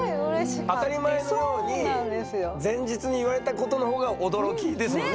当たり前のように前日に言われたことの方が驚きですもんね？